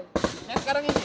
yang sekarang ini